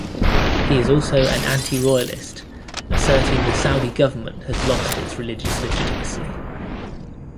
He is also an anti-royalist, asserting the Saudi government has lost its religious legitimacy.